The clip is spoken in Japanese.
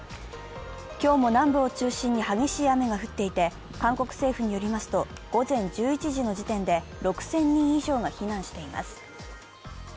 今日も南部を中心に激しい雨が降っていて韓国政府によりますと、午前１１時の時点で６０００人以上が避難しています。